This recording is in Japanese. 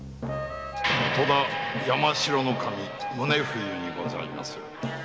戸田山城宗冬にございます